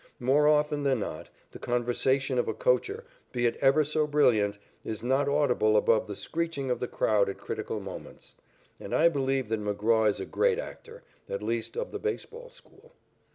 More often than not, the conversation of a coacher, be it ever so brilliant, is not audible above the screeching of the crowd at critical moments. And I believe that McGraw is a great actor, at least of the baseball school.